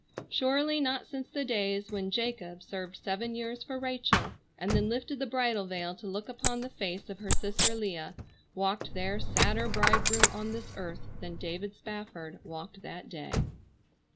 Surely not since the days when Jacob served seven years for Rachel and then lifted the bridal veil to look upon the face of her sister Leah, walked there sadder bridegroom on this earth than David Spafford walked that day.